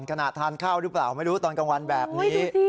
ขณะทานข้าวหรือเปล่าไม่รู้ตอนกลางวันแบบนี้